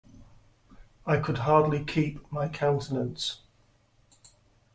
I could hardly keep my countenance.